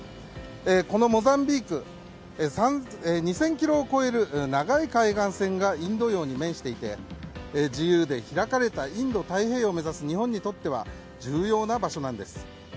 このモザンビーク２０００ｋｍを超える長い海岸線がインド洋に面していて自由で開かれたインド太平洋を目指す日本にとっては重要な場所なんです。